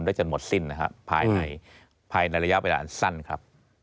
ได้จนหมดสิ้นนะครับภายในระยะเวลาอันสั้นครับ